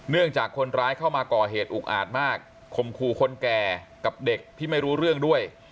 จากคนร้ายเข้ามาก่อเหตุอุกอาจมากคมคู่คนแก่กับเด็กที่ไม่รู้เรื่องด้วย